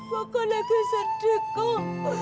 pokok lagi sedih kong